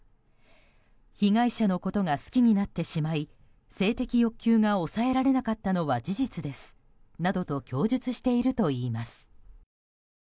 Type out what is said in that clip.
被害者のことが好きになってしまい性的欲求が抑えられなかったのは事実ですなどと供述しているといいます。